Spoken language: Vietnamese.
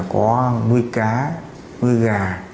có nuôi cá nuôi gà